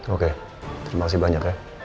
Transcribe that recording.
oke terima kasih banyak ya